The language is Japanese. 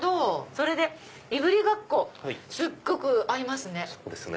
それでいぶりがっこすっごく合いますね